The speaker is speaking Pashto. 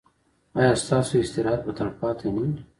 ایا ستاسو استراحت به تلپاتې نه وي؟